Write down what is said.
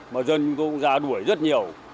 mà dân chúng tôi cũng ra đuổi rất nhiều